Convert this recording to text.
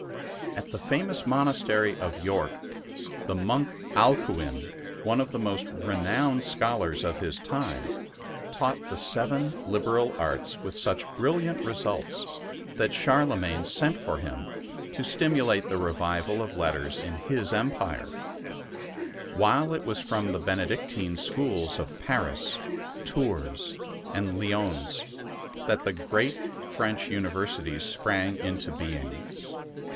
At the famous monastery of York the monk Alcuin, one of the most renowned scholars of his time, taught the seven liberal * arts with such brilliant results that Charle magne sent for him to stimulate the revival of letters in his empire; while it was from the Benedictine schools of Paris, Tours, and Lyons that the great French universities sprang into being.